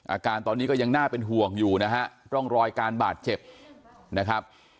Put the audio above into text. อาการตอนนี้ก็ยังน่าเป็นห่วงอยู่นะฮะร่องรอยการบาดเจ็บนะครับ